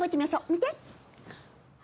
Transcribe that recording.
見て。